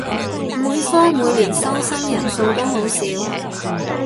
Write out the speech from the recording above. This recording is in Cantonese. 每科每年收生人數都好少